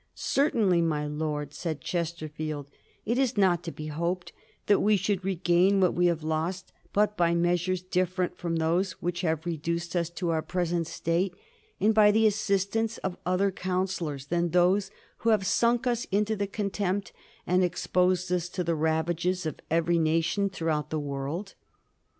" Certainly, my Lords," said Chesterfield, " it is not to be hoped that we should regain what we have lost but by measures different from those which have reduced us to our present state, and by the assistance of other counsellors than those who have sunk us into the contempt and exposed us to the rav ages of every nation throughout the world."